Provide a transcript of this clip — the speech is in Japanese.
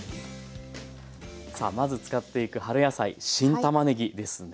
さあまず使っていく春野菜新たまねぎですね。